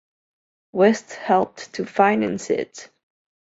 West helped to finance it.